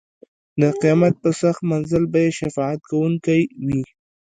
د قیامت په سخت منزل به یې شفاعت کوونکی وي.